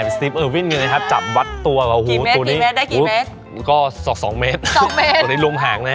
ตอนนี้ถึงเวลาที่เขาจะต้องไปงาน